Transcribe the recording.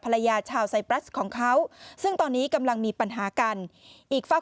ชาวไซปรัสของเขาซึ่งตอนนี้กำลังมีปัญหากันอีกฝาก